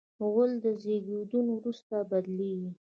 غول د زیږون وروسته بدلېږي.